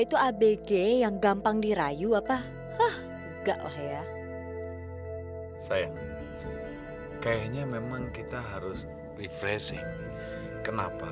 itu abg yang gampang dirayu apa ah enggak lah ya sayang kayaknya memang kita harus refreshing kenapa